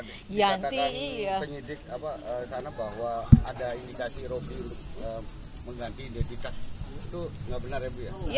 dikatakan penyidik sana bahwa ada indikasi robby mengganti identitas itu nggak benar ya bu ya